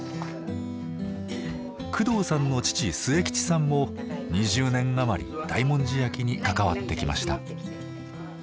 工藤さんの父末吉さんも２０年余り大文字焼きに関わってきました。